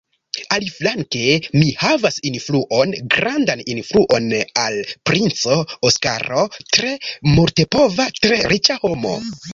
Aliflanke mi havas influon, grandan influon al princo Oskaro, tre multepova, tre riĉa homo.